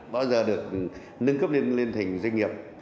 bao giờ được nâng cấp lên thành doanh nghiệp